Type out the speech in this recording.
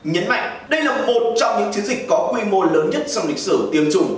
nhấn mạnh đây là một trong những chiến dịch có quy mô lớn nhất trong lịch sử tiêm chủng